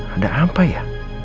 ada apa ya